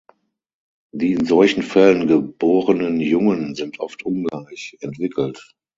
Die in solchen Fällen geborenen Jungen sind oft ungleich entwickelt.